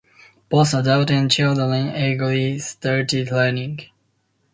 Both adults and children eagerly started learning.